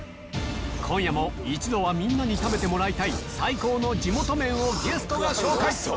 今夜も一度はみんなに食べてもらいたい最高の地元麺をゲストが紹介！